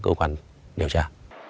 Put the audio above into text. cơ quan điều tra